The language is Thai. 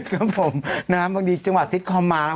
ครับผมบางทีจังหวะซิฟคอมมา